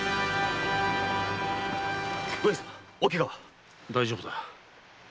上様おケガは⁉大丈夫だ。